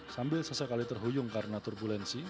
sambil sesekali terhuyung karena turbulensi